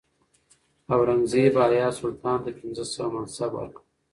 اورنګزیب حیات سلطان ته پنځه سوه منصب ورکړ.